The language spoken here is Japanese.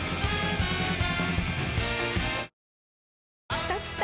きたきた！